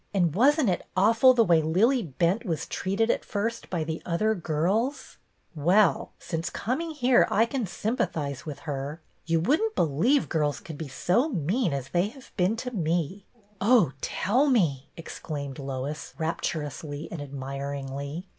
" And was n't it awful the way Lillie Bent was treated at first by the other girls ?"" Well, since coming here I can sympa thize with her. You wouldn't believe girls could be so mean as they have been to me." " Oh, tell me !" exclaimed Lois, rapturously and admiringly.